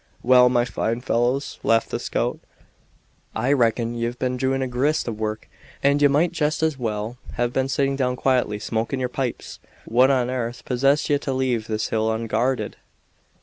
"Well, my fine fellows," laughed the scout, "I reckon ye've been doing a grist of work, and ye might jest as well have been sitting down quietly smoking yer pipes. What on arth possessed ye to leave this hill unguarded?"